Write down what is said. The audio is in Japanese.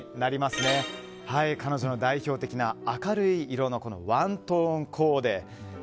彼女の代表的な明るい色のワントーンコーデ。